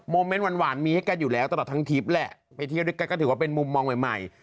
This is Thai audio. เมนต์หวานมีให้กันอยู่แล้วตลอดทั้งทริปแหละไปเที่ยวด้วยกันก็ถือว่าเป็นมุมมองใหม่ใหม่